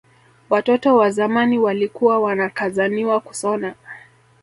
Watoto wa zamani walikuwa wanakazaniwa kusona